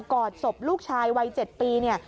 อดศพลูกชายวัย๗ปีเนี่ย